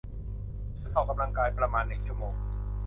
ฉันออกกำลังกายประมาณหนึ่งชั่วโมง